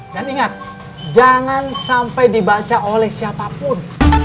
dan ingat jangan sampai dibaca oleh siapapun